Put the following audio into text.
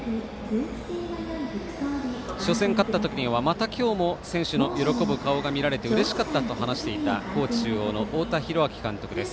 初戦勝ったときにはまた今日も選手の喜ぶ顔が見られてうれしかったと話していた高知中央の太田弘昭監督です。